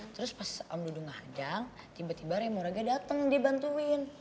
terus pas om dudung ngadang tiba tiba remora gaya dateng dibantuin